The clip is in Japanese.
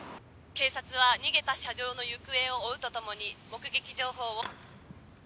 「警察は逃げた車両の行方を追うとともに目撃情報を」